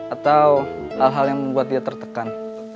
atau hal hal yang membuat dia tertekan